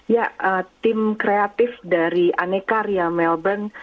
ya tim kreatif dari anekarya melbourne